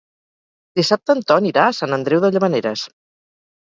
Dissabte en Ton irà a Sant Andreu de Llavaneres.